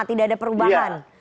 tidak ada perubahan